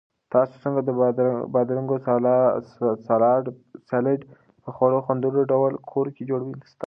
تاسو څنګه د بادرنګو سالاډ په خورا خوندور ډول په کور کې جوړوئ؟